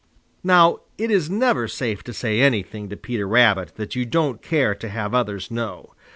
Now it is never safe to say anything to Peter Rabbit that you don't care to have others know.